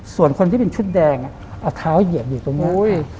ส่วนคนที่เป็นชุดแดงเอาเท้าเหยียบอยู่ตรงนี้